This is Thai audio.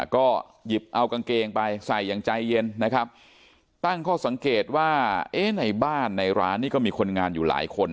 ก็หยิบเอากางเกงไปใส่อย่างใจเย็นนะครับตั้งข้อสังเกตว่าเอ๊ะในบ้านในร้านนี่ก็มีคนงานอยู่หลายคน